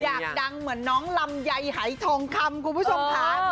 อยากดังเหมือนน้องลำไยหายทองคำคุณผู้ชมค่ะ